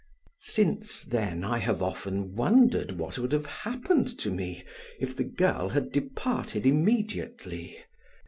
Since then I have often wondered what would have happened to me if the girl had departed immediately.